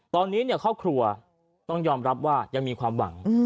ตอนนี้ครอบครัวต้องยอมรับว่ายังมีความหวัง